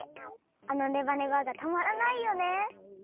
あのネバネバがたまらないよね！